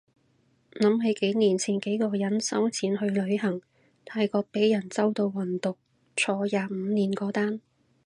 諗起幾年前幾個人收錢去旅行，泰國被人周到運毒坐廿五年嗰單